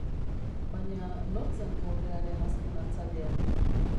Baina nor zen kobrearen azken hartzailea?